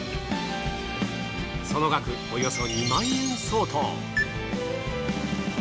その額およそ２万円相当。